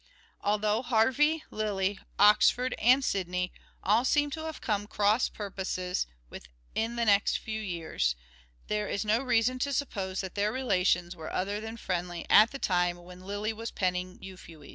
Although Harvey, Lyly, Oxford and Sidney all seem to have come to cross purposes within the next few years, there is no reason to suppose that their relations were other than friendly at the time when Lyly was penning Euphues.